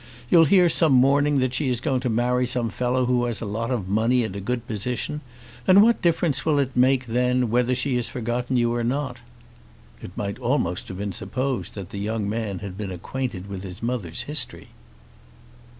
You'll hear some morning that she is going to marry some fellow who has a lot of money and a good position; and what difference will it make then whether she has forgotten you or not?" It might almost have been supposed that the young man had been acquainted with his mother's history.